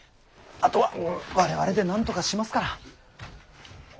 あとは我々でなんとかしますから。